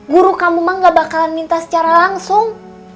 guru kamu mah gak bakalan minta secara langsung